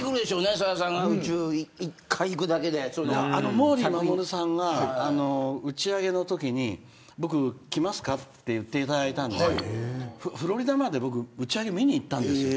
さださんが宇宙毛利衛さんが打ち上げのときに僕、来ますかって言っていただいたんでフロリダまで僕打ち上げ、見に行ったんですよ。